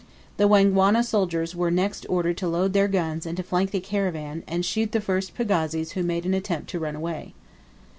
The Wangwana soldiers were next ordered to load their guns and to flank the caravan, and shoot the first pagazis who made an attempt to run away.